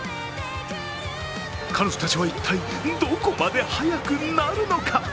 彼女たちは一体、どこまで速くなるのか？